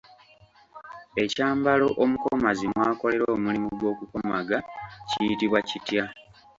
Ekyambalo omukomazi mwakolera omulimu gw’okukomaga kiyitibwa kitya?